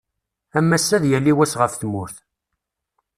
Am wass-a ad yali wass ɣef tmurt.